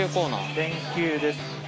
電球です。